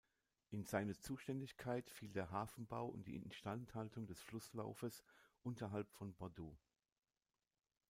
In seine Zuständigkeit fiel der Hafenbau und die Instandhaltung des Flusslaufes unterhalb von Bordeaux.